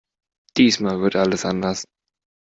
Diesmal wird alles anders!